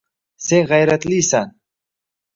Sen g‘ayratlisan!